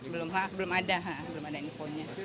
belum ada belum ada infonya